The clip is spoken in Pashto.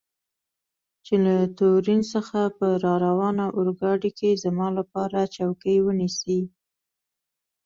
چې له تورین څخه په راروانه اورګاډي کې زما لپاره چوکۍ ونیسي.